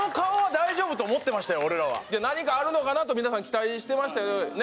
俺らは何かあるのかなと皆さん期待してましたよね？